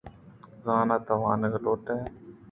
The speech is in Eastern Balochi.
زاناں تو وانگ لوٹ ئے؟